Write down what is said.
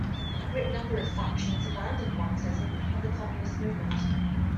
A great number of factions abandoned Marxism and the Communist movement.